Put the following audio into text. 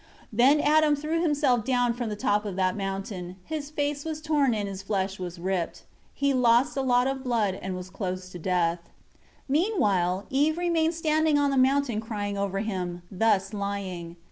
4 Then Adam threw himself down from the top of that mountain; his face was torn and his flesh was ripped; he lost a lot of blood and was close to death. 5 Meanwhile Eve remained standing on the mountain crying over him, thus lying.